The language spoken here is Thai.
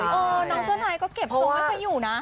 น้องเซอร์ไนก็เก็บโชคไม่เคยอยู่นะ